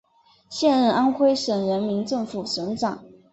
现任安徽省人民政府省长。